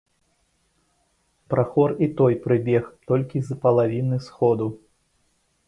Прахор і той прыбег толькі з палавіны сходу.